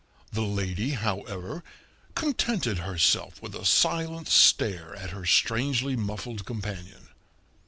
The lady, however, contented herself with a silent stare at her strangely muffled companion.